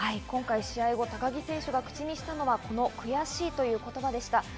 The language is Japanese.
今回試合後、高木選手が口にしたのは悔しいという言葉でした。